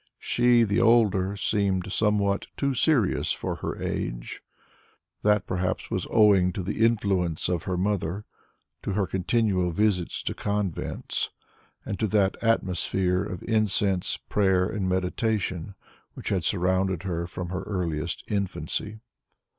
She, the elder, seemed somewhat too serious for her age; that perhaps was owing to the influence of her mother, to her continual visits to convents, and to that atmosphere of incense, prayer and meditation which had surrounded her from her earliest infancy.